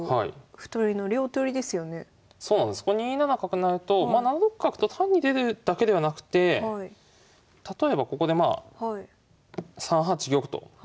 ２七角成と７六角と単に出るだけではなくて例えばここでまあ３八玉と受けたとしましょう。